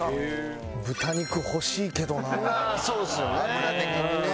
脂的にね。